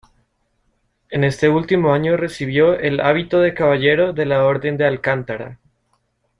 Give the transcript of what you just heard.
En este último año recibió el hábito de caballero de la Orden de Alcántara.